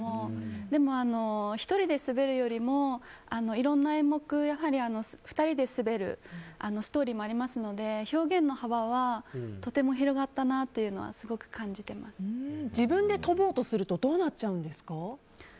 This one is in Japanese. でも、１人で滑るよりもいろんな演目２人で滑るストーリーもありますので表現の幅はとても広がったなというのは自分で跳ぼうとするとどうなっちゃうんですか？